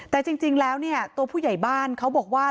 แต่จริงแล้วเนี่ยตัวผู้ใหญ่บ้านเขาบอกว่า